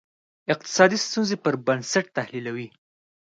اقتصادي ستونزې پر بنسټ تحلیلوي.